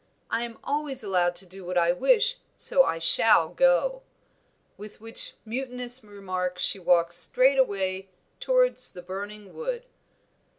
I am always allowed to do what I wish, so I shall go;" with which mutinous remark she walked straight away towards the burning wood.